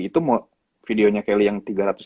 itu videonya kelly yang